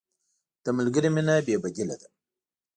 د ملګري مینه بې بدیله ده.